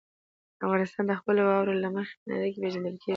افغانستان د خپلو واورو له مخې په نړۍ کې پېژندل کېږي.